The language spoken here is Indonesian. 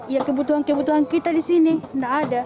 ya kebutuhan kebutuhan kita di sini tidak ada